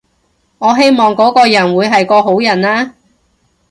我希望嗰個人會係個好人啦